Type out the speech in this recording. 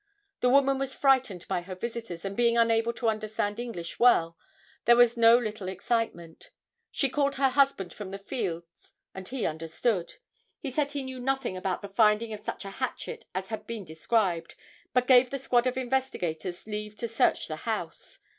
The woman was frightened by her visitors, and being unable to understand English well, there was no little excitement. She called her husband from the fields and he understood. He said he knew nothing about the finding of such a hatchet as had been described, but gave the squad of investigators leave to search the house.